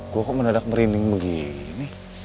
gue kok mendadak merinding begini